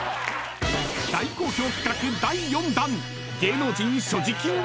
［大好評企画第４弾］